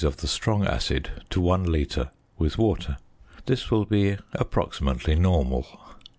of the strong acid to one litre with water. This will be approximately normal.